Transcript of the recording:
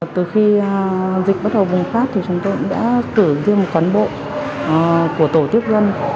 từ khi dịch bắt đầu bùng phát thì chúng tôi cũng đã cử riêng một cán bộ của tổ tiếp dân